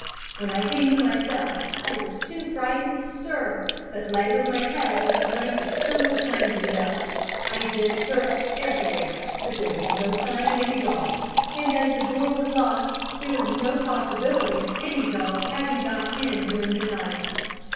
When I came to myself, I was too frightened to stir, but lay with my head under the blankets till it was time to get up. I then searched everywhere, but there was no sign of any dog, and as the door was locked there was no possibility of any dog having got in during the night.